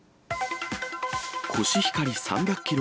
コシヒカリ３００キロ